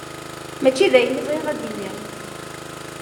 Mačči d ayen i bɣiɣ ad d-iniɣ.